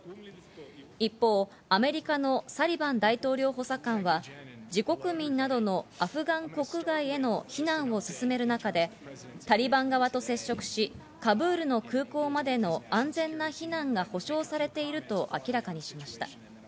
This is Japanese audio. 一方、アメリカのサリバン大統領補佐官は、自国民などのアフガン国外への避難を進める中でタリバン側と接触し、カブールの空港までの安全な避難が保証されていると明らかにしました。